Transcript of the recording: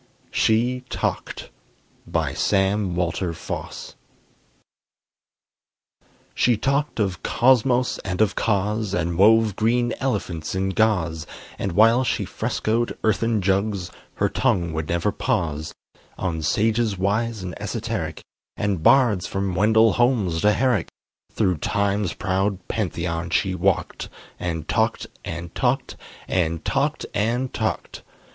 SHE TALKED BY SAM WALTER FOSS She talked of Cosmos and of Cause, And wove green elephants in gauze, And while she frescoed earthen jugs, Her tongue would never pause: On sages wise and esoteric, And bards from Wendell Holmes to Herrick: Thro' time's proud Pantheon she walked, And talked and talked and talked and talked!